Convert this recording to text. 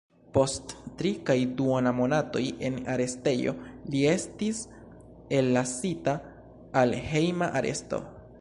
Post tri kaj duona monatoj en arestejo, li estis ellasita al hejma aresto.